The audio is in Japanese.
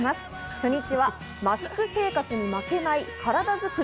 初日は「マスク生活に負けない、カラダ作り」。